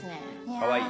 かわいい。